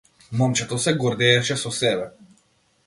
Момчето се гордееше со себе.